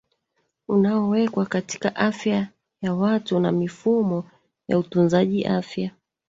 unaowekwa katika afya ya watu na mifumo ya utunzaji afya